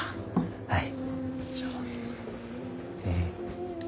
はい。